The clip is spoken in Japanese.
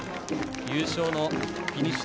優勝のフィニッシュ